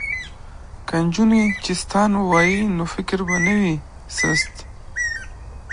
که نجونې چیستان ووايي نو فکر به نه وي سست.